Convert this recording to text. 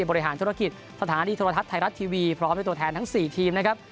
บริหารธุรกิจสถานีโทรทัศน์ไทยรัฐทีวีพร้อมด้วยตัวแทนทั้ง๔ทีมนะครับ